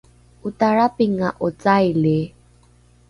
otarapinga’o caili?